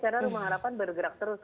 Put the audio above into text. karena rumah harapan bergerak terus